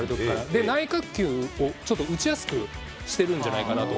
で、内角球をちょっと打ちやすくしてるんじゃないかなと。